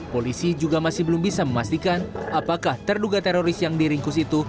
polisi juga masih belum bisa memastikan apakah terduga teroris yang diringkus itu